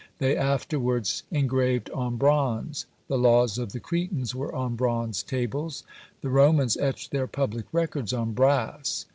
They afterwards engraved on bronze: the laws of the Cretans were on bronze tables; the Romans etched their public records on brass.